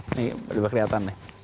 nih berlihat lihat nih